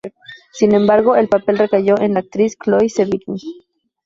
Sin embargo, el papel recayó en la actriz Chloë Sevigny.